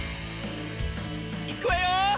いくわよ！